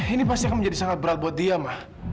ini pasti akan menjadi sangat berat buat dia mah